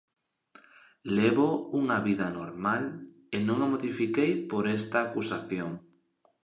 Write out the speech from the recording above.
Levo unha vida normal e non a modifiquei por esta acusación.